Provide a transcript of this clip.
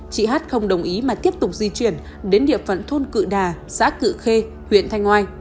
chị hát không đồng ý mà tiếp tục di chuyển đến địa phận thôn cự đà xã cự khê huyện thanh oai